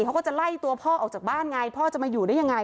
เขาก็จะไล่ตัวพ่อออกจากบ้านไงพ่อจะมาอยู่ได้ยังไง